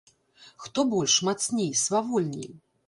Хто больш, мацней, свавольней!